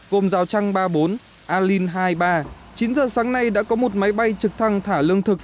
gồm rào trăng ba mươi bốn alin hai mươi ba chín giờ sáng nay đã có một máy bay trực thăng thả lương thực